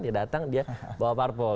dia datang dia bawa parpol